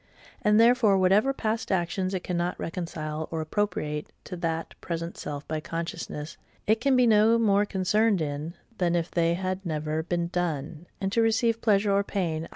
And therefore whatever past actions it cannot reconcile or APPROPRIATE to that present self by consciousness, it can be no more concerned in than if they had never been done: and to receive pleasure or pain, i.